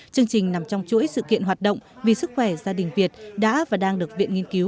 chương trình nằm trong chuỗi sự kiện hoạt động vì sức khỏe gia đình việt đã và đang được viện nghiên cứu